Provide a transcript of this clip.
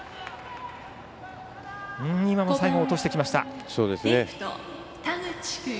今も最後は落としてきました。